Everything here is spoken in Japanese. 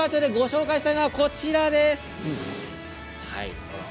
東川町でご紹介したいのはこちらです。